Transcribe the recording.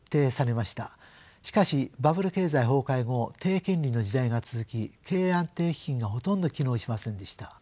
しかしバブル経済崩壊後低金利の時代が続き経営安定基金がほとんど機能しませんでした。